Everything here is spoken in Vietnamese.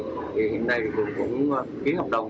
thì hiện nay thì phường cũng ký hợp đồng